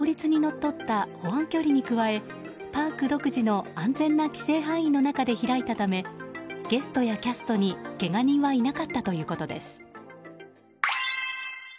しかし、法律にのっとった保安距離に加えパーク独自の安全な規制範囲の中で開いたためゲストやキャストにけが人はいなかったということです。